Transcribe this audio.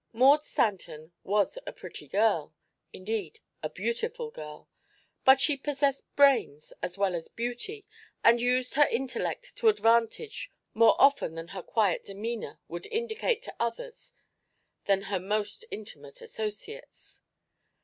Maud Stanton was a pretty girl indeed, a beautiful girl but she possessed brains as well as beauty and used her intellect to advantage more often than her quiet demeanor would indicate to others than her most intimate associates.